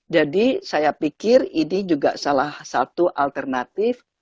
jadi saya pikir ini juga salah satu alternatif